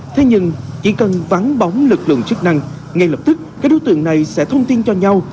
thế nhưng chỉ cần vắng bóng lực lượng chức năng ngay lập tức các đối tượng này sẽ thông tin cho nhau